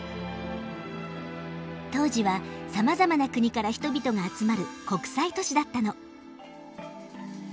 当時はさまざまな国から人々が集まる国際都市だったの。